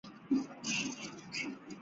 加罗讷河畔萨莱。